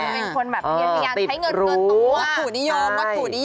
อันนี้เป็นคนแบบเพียงใช้เงินเตือนตรงวัตถุนิยมวัตถุนิยม